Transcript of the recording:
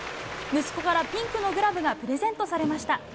息子からピンクのグラブがプレゼントされました。